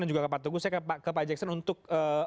dan juga pak tugu saya ke pak jackson untuk